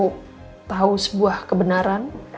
tante kamu tahu sebuah kebenaran